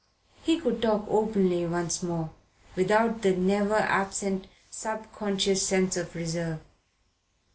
He could talk openly once more, without the never absent subconscious sense of reserve.